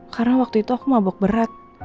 karena waktu itu aku mabok berat